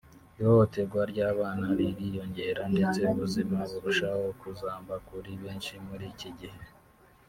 ihohoterwa ry’abana ririyongera ndetse ubuzima burushaho kuzamba kuri benshi muri iki gihugu